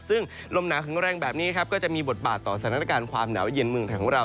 ซึ่งลมหนาวถึงแรงแบบนี้ครับก็จะมีบทบาทต่อสถานการณ์ความหนาวเย็นเมืองไทยของเรา